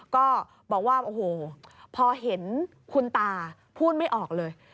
ก็บอกว่าโอ้โหพอเห็นคุณตาพูดไม่ออกเลย